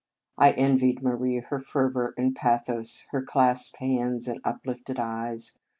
I envied Marie her fervour and pathos, her clasped hands and uplifted eyes.